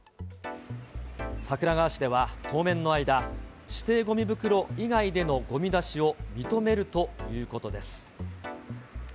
桜川市では、当面の間、指定ごみ袋以外でのごみ出しを認めるということです。